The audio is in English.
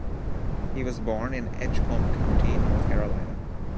He was born in Edgecombe County, North Carolina.